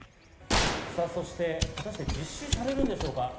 さぁ、そして果たして実施されるんでしょうか？